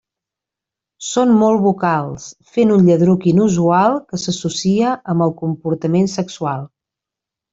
Són molt vocals, fent un lladruc inusual que s'associa amb el comportament sexual.